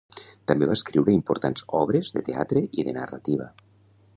També va escriure importants obres de teatre i de narrativa.